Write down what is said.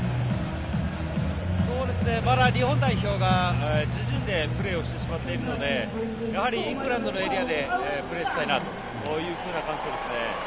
まだ日本代表が自陣でプレーしてしまっているのでやはりイングランドのエリアでプレーしたいなという感想ですね。